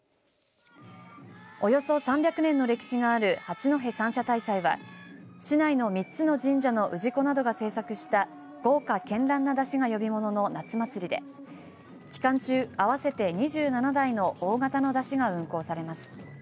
およそ３００年の歴史がある八戸三社大祭は市内の３つの神社の氏子などが制作した豪華けんらんな山車が呼び物の夏祭りで期間中合わせて２７台の大型の山車が運行されます。